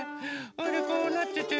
それでこうなってて。